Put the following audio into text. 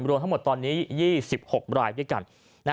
รวมทั้งหมดตอนนี้๒๖รายด้วยกัน